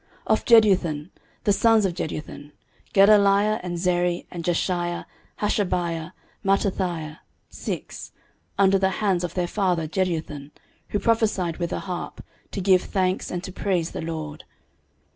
13:025:003 Of Jeduthun: the sons of Jeduthun; Gedaliah, and Zeri, and Jeshaiah, Hashabiah, and Mattithiah, six, under the hands of their father Jeduthun, who prophesied with a harp, to give thanks and to praise the LORD.